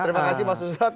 terima kasih mas nusrat